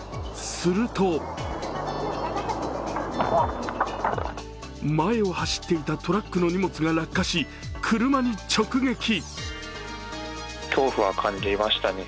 すると前を走っていたトラックの荷物が落下し、車に直撃。